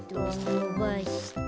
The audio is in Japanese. のばして。